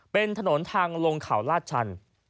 เป็นถนนทางลงเขาลาดชัน